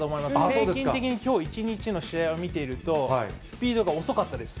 平均的にきょう一日の試合を見ていると、スピードが遅かったです。